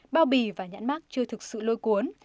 bao bì và nhãn mát chưa thực sự lôi cuốn